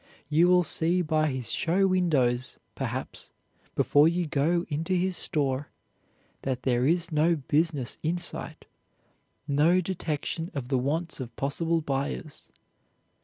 You will see by his show windows, perhaps, before you go into his store, that there is no business insight, no detection of the wants of possible buyers.